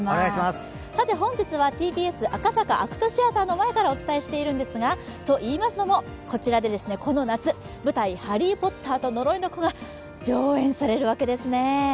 本日はＴＢＳ赤坂ＡＣＴシアターの前からお伝えしているんですが、といいますのも、こちらでこの夏、舞台「ハリー・ポッターと呪いの子」が上演されるわけですね。